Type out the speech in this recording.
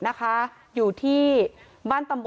นาคมารีเพื่อนป้า